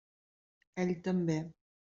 Ell també.